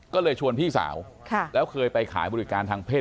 ก็เลยชวนพี่สาวแล้วเคยไปขายบริการทางเพศ